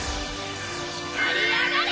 光りやがれ！